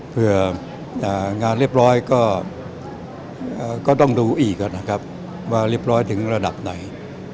เพื่องานเรียบร้อยก็ต้องดูอีกนะครับว่าเรียบร้อยถึงระดับไหน